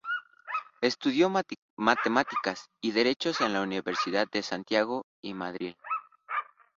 Estudió Matemáticas y Derecho en las universidades de Santiago y Madrid.